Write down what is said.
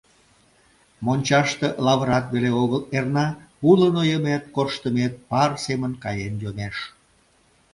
Мончаште лавырат веле огыл эрна, уло нойымет, корштымет пар семын каен йомеш.